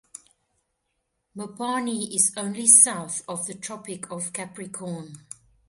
Mopani is only south of the Tropic of Capricorn.